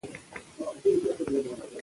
آیا په سوله کې ویره نه خپریږي؟